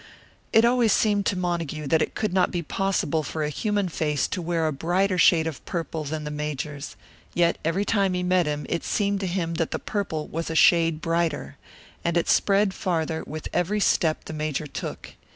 It always seemed to Montague that it could not be possible for a human face to wear a brighter shade of purple than the Major's; yet every time he met him, it seemed to him that the purple was a shade brighter. And it spread farther with every step the Major took.